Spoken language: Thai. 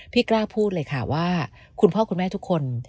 กล้าพูดเลยค่ะว่าคุณพ่อคุณแม่ทุกคน